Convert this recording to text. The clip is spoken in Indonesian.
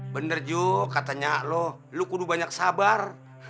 bener ju katanya lo kudu banyak sabar